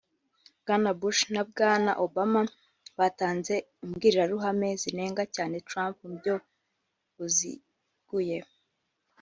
Bwana Bush na Bwana Obama batanze imbwirwaruhame zinenga cyane Trump mu buryo buziguye